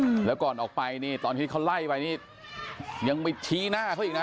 อืมแล้วก่อนออกไปนี่ตอนที่เขาไล่ไปนี่ยังไปชี้หน้าเขาอีกนะ